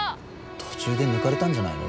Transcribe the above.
途中で抜かれたんじゃないの？